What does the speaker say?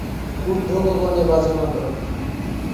উর্ধ্ব গগণে বাজে মাদল!